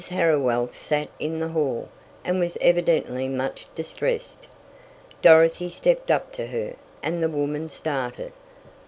Harriwell sat in the hall, and was evidently much distressed. Dorothy stepped up to her, and the woman started.